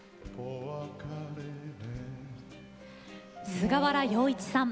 菅原洋一さん